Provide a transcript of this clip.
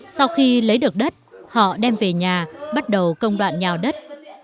sau khi lấy được đất họ đem về nhà bắt đầu công đoạn nhào đất